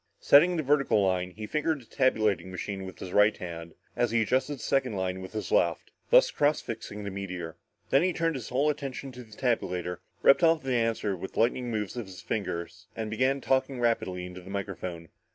Setting the vertical line, he fingered a tabulating machine with his right hand, as he adjusted the second line with his left, thus cross fixing the meteor. Then he turned his whole attention to the tabulator, ripped off the answer with lightning moves of his fingers and began talking rapidly into the microphone.